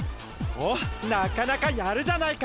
おっなかなかやるじゃないか。